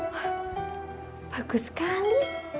wah bagus sekali